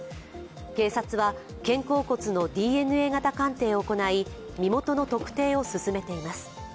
警察は肩甲骨のＤＮＡ型鑑定を行い、身元の特定を進めています。